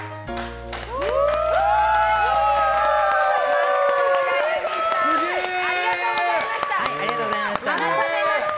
松任谷由実さんありがとうございました！